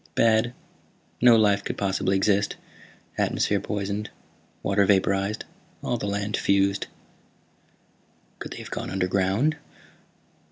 "Bad. No life could possibly exist. Atmosphere poisoned, water vaporized, all the land fused." "Could they have gone underground?"